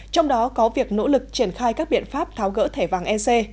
trong đó có việc nỗ lực triển khai các biện pháp tháo gỡ thẻ vàng ec